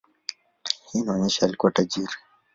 Hii inaonyesha alikuwa tajiri.